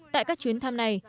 tại các chuyến thăm này